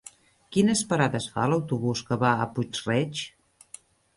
Quines parades fa l'autobús que va a Puig-reig?